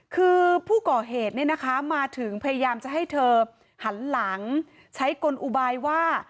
คือผู้ก่อเหตุมาถึงพยายามจะให้เธอหันหลังใช้กลอุบายว่า